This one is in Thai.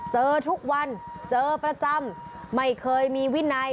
เจอทุกวันเจอประจำไม่เคยมีวินัย